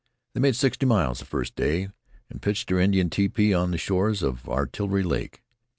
They made sixty miles the first day, and pitched their Indian tepee on the shores of Artillery Lake.